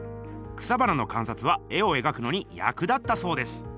草花のかんさつは絵を描くのにやく立ったそうです。